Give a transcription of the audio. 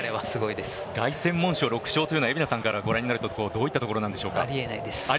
凱旋門賞６勝というのは蛯名さんからご覧になるとどういったところですか？